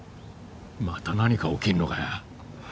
また何か起きるのかよ。